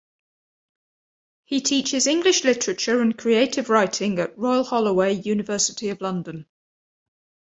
He teaches English literature and creative writing at Royal Holloway, University of London.